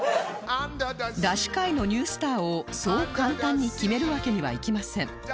ダシ界のニュースターをそう簡単に決めるわけにはいきません